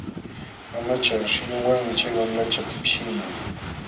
Mamacha shillunwanmi chay wamlacha tipshiqman.